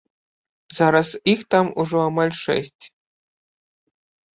Зараз іх там ужо амаль шэсць.